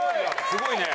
すごいね。